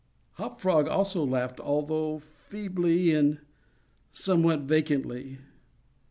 Hop Frog also laughed, although feebly and somewhat vacantly.